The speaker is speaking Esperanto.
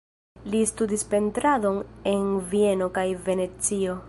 Li studis pentradon en Vieno kaj Venecio.